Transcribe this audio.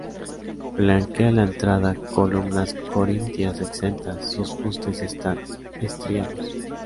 Flanquean la entrada columnas corintias exentas; sus fustes están estriados.